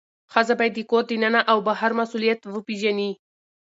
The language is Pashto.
ښځه باید د کور دننه او بهر مسئولیت وپیژني.